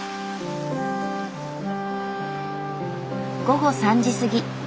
午後３時過ぎ。